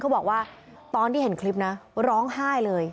บอกว่าตอนที่เห็นคลิปนะร้องไห้เลย